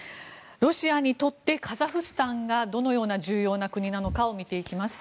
ロシアにとってカザフスタンがどのような重要な国なのかを見ていきます。